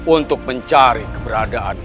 untuk mencari keberadaan